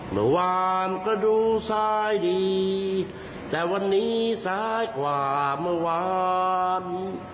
เมื่อวานก็ดูซ้ายดีแต่วันนี้ซ้ายกว่าเมื่อวาน